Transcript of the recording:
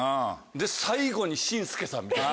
最後に紳助さんみたいな。